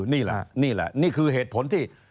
นี่แหละนี่คือเหตุผลที่